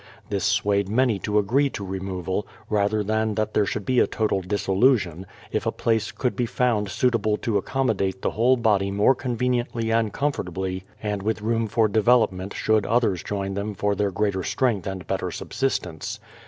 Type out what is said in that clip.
This swayed many to agree to removal, rather than that there should be a total dissolution, if a place could be found suitable to accommodate tlie whole body more con veniently and comfortably, and with room for development should others join them for their greater strength and better subsistence.